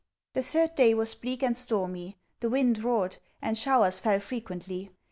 The third day was bleak and stormy; the wind roared; and showers fell frequently.